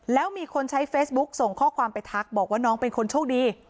แล้วมีคนใช้เฟซบุ๊กส่งข้อความไปทักบอกว่าน้องเป็นคนโชคดี